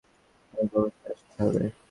তোমাকে অবশ্যই আসতে হবে।